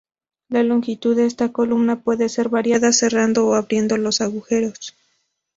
La longitud de esta columna puede ser variada cerrando o abriendo los agujeros.